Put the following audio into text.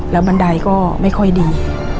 แล้วบันไดก็ไม่ค่อยดี